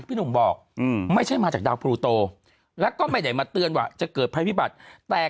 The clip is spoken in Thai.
พี่หนุ่มบอกไม่ใช่มาจากดาวน์ปูโตและก็ไปจะเกิดภัยพิบัติแต่